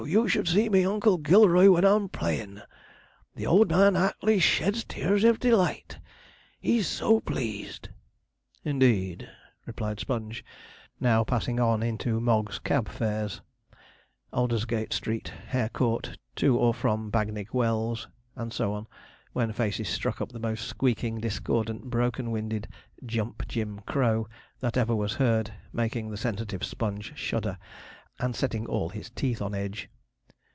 you should see me Oncle Gilroy when a'rm playin'! The old man act'ly sheds tears of delight he's so pleased.' 'Indeed,' replied Sponge, now passing on into Mogg's Cab Fares 'Aldersgate Street, Hare Court, to or from Bagnigge Wells,' and so on, when Facey struck up the most squeaking, discordant, broken winded 'Jump Jim Crow' that ever was heard, making the sensitive Sponge shudder, and setting all his teeth on edge.